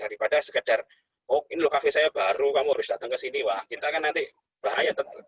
daripada sekedar oh ini cafe saya baru kamu harus datang ke sini wah kita akan nanti bahaya tetap